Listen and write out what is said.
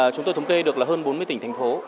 chúng tôi thống kê được là hơn bốn mươi tỉnh thành phố